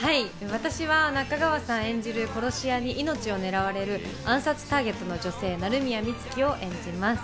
私は中川さん演じる殺し屋に命を狙われる暗殺ターゲットの女性・鳴宮美月を演じます。